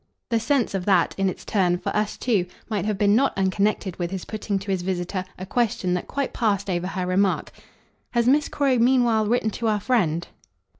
The sense of that, in its turn, for us too, might have been not unconnected with his putting to his visitor a question that quite passed over her remark. "Has Miss Croy meanwhile written to our friend?"